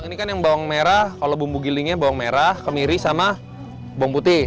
ini kan yang bawang merah kalau bumbu gilingnya bawang merah kemiri sama bawang putih